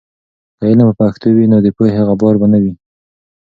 که علم په پښتو وي، نو د پوهې غبار به نه وي.